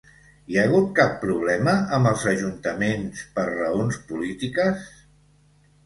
Hi ha hagut cap problema amb els ajuntaments per raons polítiques?